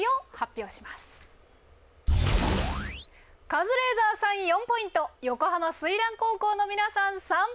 カズレーザーさん４ポイント横浜翠嵐高校の皆さん３ポイント。